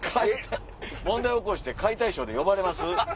問題起こして解体ショーで呼ばれます？